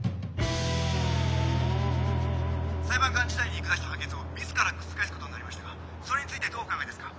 「裁判官時代に下した判決を自ら覆すことになりましたがそれについてどうお考えですか？」。